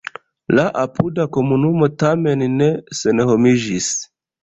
La apuda komunumo tamen ne senhomiĝis.